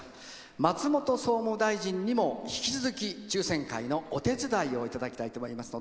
松本総務大臣にも引き続き抽せん会のお手伝いをいただきます。